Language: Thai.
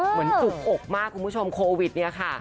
จุกอกมากคุณผู้ชมโควิดเนี่ยค่ะ